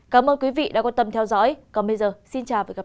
cảm ơn quý vị đã quan tâm theo dõi